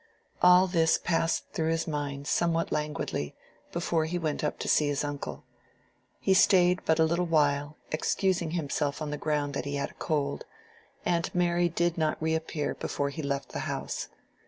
All this passed through his mind somewhat languidly, before he went up to see his uncle. He stayed but a little while, excusing himself on the ground that he had a cold; and Mary did not reappear before he left the house.